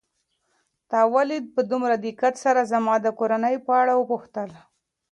تا ولې په دومره دقت سره زما د کورنۍ په اړه وپوښتل؟